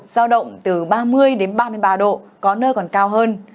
giao động từ ba mươi đến ba mươi ba độ có nơi còn cao hơn